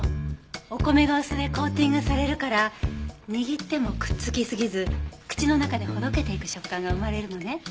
お米がお酢でコーティングされるから握ってもくっつきすぎず口の中でほどけていく食感が生まれるのね。